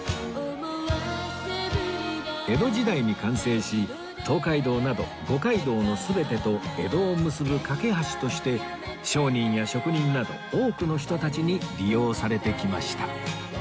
江戸時代に完成し東海道など五街道の全てと江戸を結ぶ架け橋として商人や職人など多くの人たちに利用されてきました